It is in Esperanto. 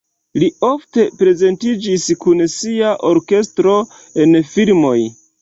Li ofte prezentiĝis kun sia orkestro en filmoj.